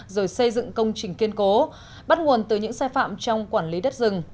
rồi xây dựng công trình kiên cố bắt nguồn từ những sai phạm trong quản lý đất rừng